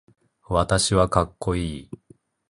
私はかっこいい